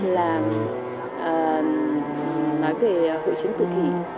là nói về hội chứng tự kỷ